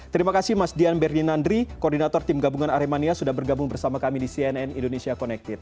terima kasih mas dian berdinandri koordinator tim gabungan aremania sudah bergabung bersama kami di cnn indonesia connected